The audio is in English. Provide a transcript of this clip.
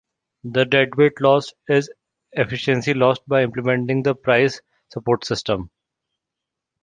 The deadweight loss is the efficiency lost by implementing the price-support system.